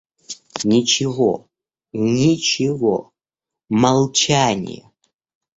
Ничего, ничего, молчание!